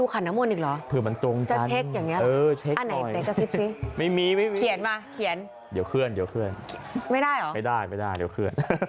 เขาไม่ให้ซูมดู